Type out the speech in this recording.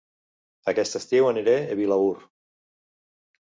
Aquest estiu aniré a Vilaür